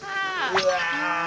うわ。